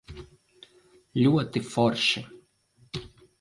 Ļoti forši.